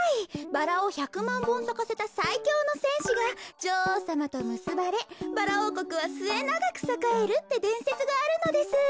バラを１００まんぼんさかせたさいきょうのせんしが女王さまとむすばれバラおうこくはすえながくさかえるってでんせつがあるのです。